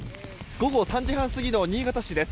午後３時半過ぎの新潟市です。